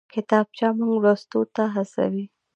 کتابچه موږ لوستو ته هڅوي